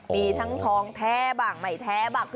มีทั้งทองแท้บ้างไม่แท้บ้าง